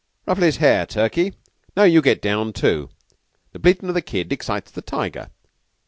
"Ruffle his hair, Turkey. Now you get down, too. 'The bleatin' of the kid excites the tiger.